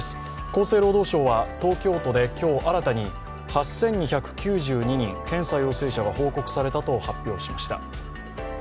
厚生労働省は東京都で今日、新たに８２９２人、検査陽性者が報告されたと発表しました。